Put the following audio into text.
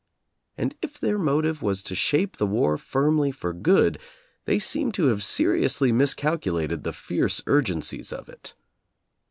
And if their motive was to shape the war firmly for good, they seem to have seriously miscalculated the fierce urgencies of it.